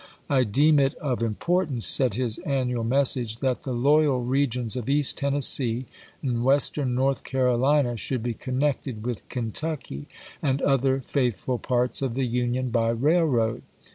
"I deem it of importance," said his annua] message, "that the loyal regions of East Tennessee and Western North Carolina should be connected with Kentucky and other faithful parts of the Union by railroad.